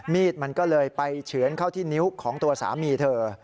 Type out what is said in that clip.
มีดมันก็เลยไปเฉือนเข้าที่นิ้วของตัวสามีเธอ